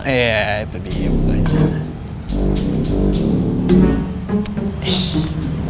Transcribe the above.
iya itu dia mukanya